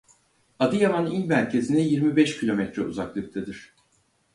Adıyaman il merkezine yirmi beş kilometre uzaklıktadır.